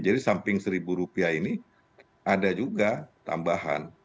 jadi samping seribu rupiah ini ada juga tambahan